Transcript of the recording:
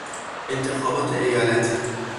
انتخابات ایالتی